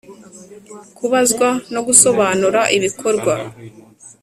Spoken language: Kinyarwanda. kubazwa no gusobanura ibikorwa